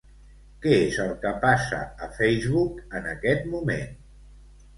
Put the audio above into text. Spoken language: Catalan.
Què és el que passa a Facebook en aquest moment?